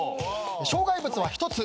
障害物は１つ。